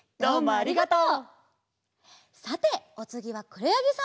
ありがとう！